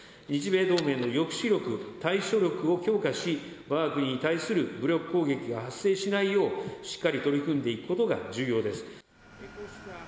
日米同盟の抑止力、対処力を強化し、わが国に対する武力攻撃が発生しないよう、しっかり取り組んでいくことが重要です。